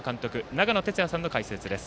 長野哲也さんの解説です。